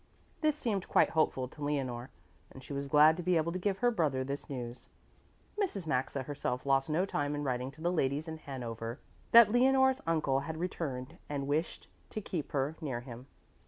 This seemed quite hopeful to Leonore, and she was glad to be able to give her brother this news. Mrs. Maxa herself lost no time in writing to the ladies in Hanover that Leonore's uncle had returned and wished to keep her near him.